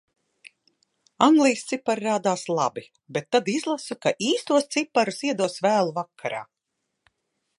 Anglijas cipari rādās labi, bet tad izlasu, ka īstos ciparus iedos vēlu vakarā.